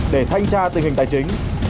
để thanh tra tình hình tài chính